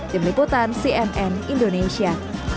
demikian cnn indonesia